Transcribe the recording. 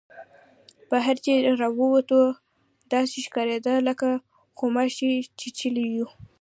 بهر چې را ووتو داسې ښکارېدل لکه غوماشې چیچلي یو.